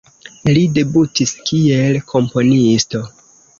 Li debutis kiel komponisto.